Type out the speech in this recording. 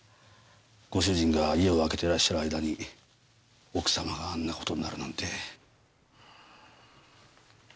ご主人が家を空けてらっしゃる間に奥様があんな事になるなんて。